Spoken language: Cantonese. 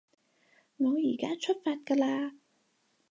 我依加出發㗎喇